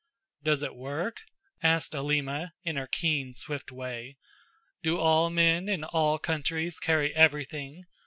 "Does it work?" asked Alima, in her keen, swift way. "Do all men in all countries carry everything?